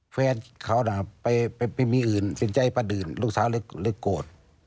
แฟนเขานะไปมีอื่นสินใจประดื่นลูกสาวเลยโกรธ